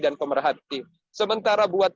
dan pemerhati sementara buat